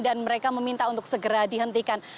dan mereka meminta untuk segera dihentikan